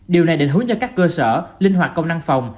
điều này định hướng cho các cơ sở linh hoạt công năng phòng